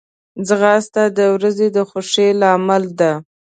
ځغاسته د ورځې د خوښۍ لامل ده